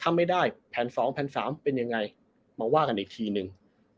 ถ้าไม่ได้แผ่น๒แผ่น๓เป็นยังไงมาว่ากันอีกทีนึง